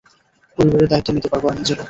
পরিবারের দায়িত্ব নিতে পারব আর নিজেরও!